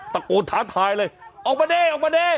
ตะโกนท้าทายเลยออกมาเด้ออกมาดิ